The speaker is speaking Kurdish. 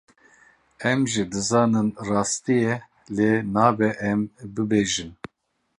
Em jî dizanin rastiyê lê nabe em bibêjin.